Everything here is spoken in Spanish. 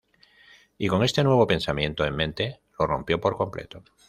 Y con este nuevo pensamiento en mente lo rompió por completo.